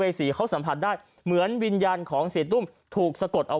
สีเขาสัมผัสได้เหมือนวิญญาณของเสียตุ้มถูกสะกดเอา